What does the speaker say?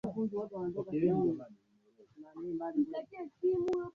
Bibi Ann alikuwa Mwamerika Mzungu kutoka jimbo la Kansas